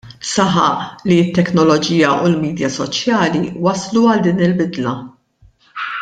Saħaq li t-teknoloġija u l-midja soċjali wasslu għal din il-bidla.